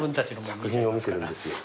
作品を見てるんです。